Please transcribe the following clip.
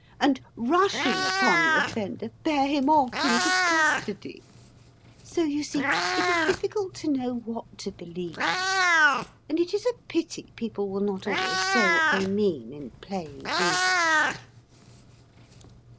and rushing upon the offender bear him off into custody. So you see it is difficult to know what to believe, and it is a pity people will not always say what they mean in plain English.